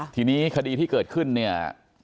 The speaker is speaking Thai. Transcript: ทีนี้คดีที่เกิดขึ้นเนี่ย